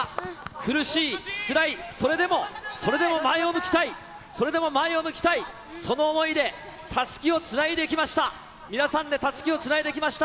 苦しい、つらい、それでも、それでも前を向きたい、それでも前を向きたい、その想いで、たすきをつないできました。